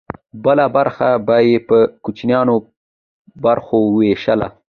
بله برخه به یې په کوچنیو برخو ویشله.